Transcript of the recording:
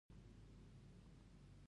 هغه اوږې پورته کړې